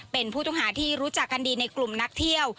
เป็นผู้ต้องหาที่รู้จักกันดีในกลุ่มนักเที่ยว